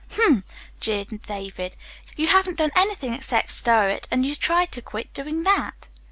"Humph!" jeered David, "you haven't done anything except stir it, and you tried to quit doing that."